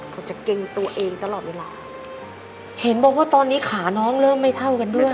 เขาจะเกรงตัวเองตลอดเวลาเห็นบอกว่าตอนนี้ขาน้องเริ่มไม่เท่ากันด้วย